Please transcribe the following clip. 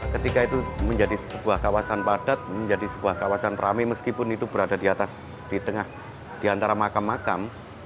ketika itu menjadi sebuah kawasan padat menjadi sebuah kawasan rame meskipun itu berada di atas di tengah di antara makam makam